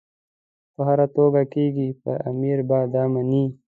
په هره توګه کېږي پر امیر به دا مني.